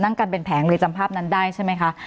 กันเป็นแผงเลยจำภาพนั้นได้ใช่ไหมคะ